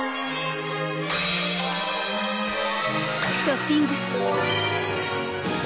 トッピング！